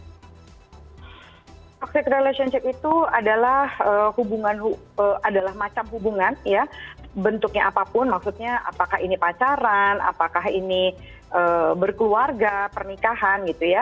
toxic relationship itu adalah hubungan adalah macam hubungan ya bentuknya apapun maksudnya apakah ini pacaran apakah ini berkeluarga pernikahan gitu ya